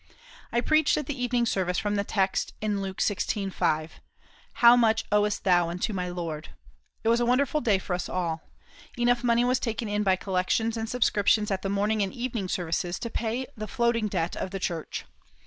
I preached at the evening service from the text in Luke xvi. 5: "How much owest thou unto my Lord?" It was a wonderful day for us all. Enough money was taken in by collections and subscriptions at the morning and evening services to pay the floating debt of the church.